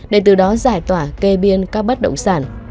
để từ đó giải tỏa kê biên các bất động sản